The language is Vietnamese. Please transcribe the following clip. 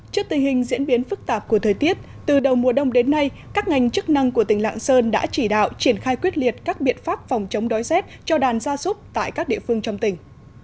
trước tình hình diễn biến phức tạp của thời tiết từ đầu mùa đông đến nay các ngành chức năng của tỉnh lạng sơn đã chỉ đạo triển khai quyết liệt các biện pháp phòng chống đói rét cho đàn gia súc tại các địa phương trong tỉnh